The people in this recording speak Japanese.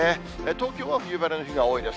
東京は冬晴れの日が多いです。